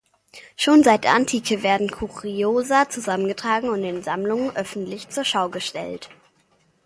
Schon seit der Antike werden Kuriosa zusammengetragen und in Sammlungen öffentlich zur Schau gestellt.